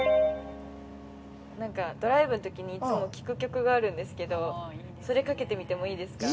◆ドライブのときにいつも聴く曲があるんですけど、それ、かけてみてもいいですか。